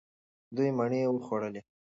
دوی مڼې وخوړلې.